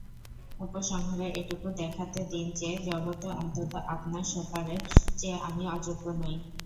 উপসংহারে এটুকু দেখাতে দিন যে, জগতে অন্তত আপনার শোফারের চেয়ে আমি অযোগ্য নই।